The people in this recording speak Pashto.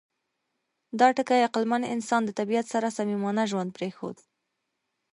دا ټکي عقلمن انسان د طبیعت سره صمیمانه ژوند پرېښود.